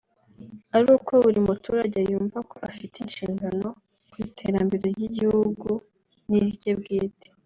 ari uko buri muturage yumva ko afite inshingano ku iterambere ry’igihugu n’irye bwite